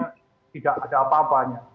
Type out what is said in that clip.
tidak ada apa apanya